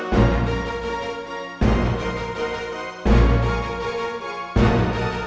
jalur malam tadi di naxal